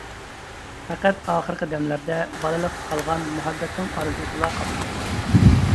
پەقەت ئاخىرقى دەملەردە بالىلىقتا قالغان مۇھەببەتنىڭ ئارزۇسىلا قاپتۇ.